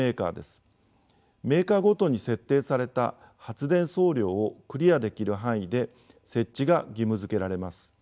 メーカーごとに設定された発電総量をクリアできる範囲で設置が義務づけられます。